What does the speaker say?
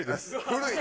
古い。